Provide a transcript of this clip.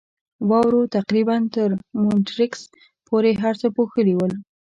واورو تقریباً تر مونیټریکس پورې هر څه پوښلي ول.